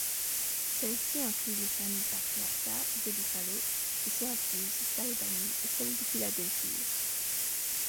Celles-ci incluent les familles Patriarca, de Buffalo, de Syracuse, d'Albany et celle de Philadelphie.